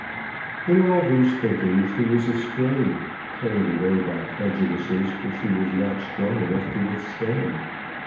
In all these thinkings he was astray, carried away by prejudices which he was not strong enough to withstand.